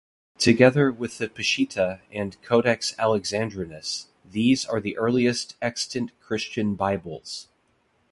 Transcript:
Together with the Peshitta and Codex Alexandrinus, these are the earliest extant Christian Bibles.